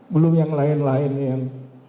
belum yang lain lain yang